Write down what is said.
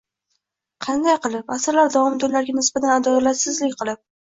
Qanday qilib? Asrlar davomida ularga nisbatan adolatsizlik qilib.